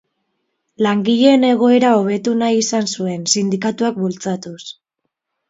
Langileen egoera hobetu nahi izan zuen, sindikatuak bultzatuz.